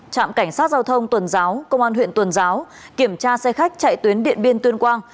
trạm cảnh sát giao thông tuần giáo công an huyện tuần giáo kiểm tra xe khách chạy tuyến điện biên tuyên quang